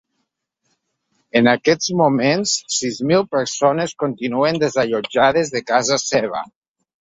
En aquests moments, sis mil persones continuen desallotjades de casa seva.